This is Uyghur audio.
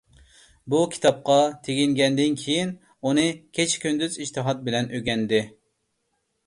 بۇ كىتابقا تېگىنگەندىن كېيىن، ئۇنى كېچە - كۈندۈز ئىجتىھات بىلەن ئۆگەندى.